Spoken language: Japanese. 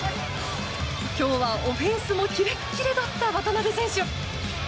今日はオフェンスもキレッキレだった渡邊選手。